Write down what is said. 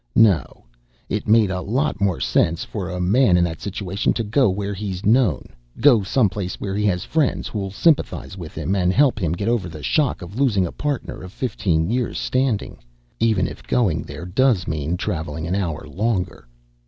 No, it made a lot more sense for a man in that situation to go where he's known, go someplace where he has friends who'll sympathize with him and help him over the shock of losing a partner of fifteen years' standing, even if going there does mean traveling an hour longer.